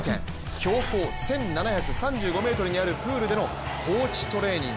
標高１７３５ｍにあるプールでの高地トレーニング。